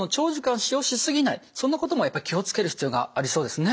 そんなこともやっぱり気を付ける必要がありそうですね。